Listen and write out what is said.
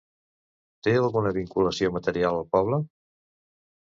Té alguna vinculació material al poble?